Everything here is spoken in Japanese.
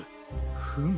フム。